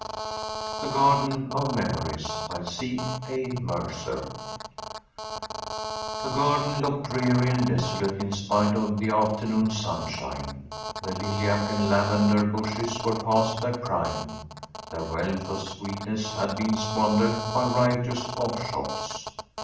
THE GARDEN OF MEMORIES BY C. A. MERCER The garden looked dreary and desolate in spite of the afternoon sunshine. The lilac and lavender bushes were past their prime; their wealth of sweetness had been squandered by riotous offshoots.